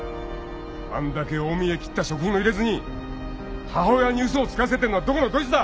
あんだけ大見え切った食費も入れずに母親に嘘をつかせてんのはどこのどいつだ。